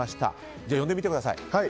じゃあ呼んでみてください。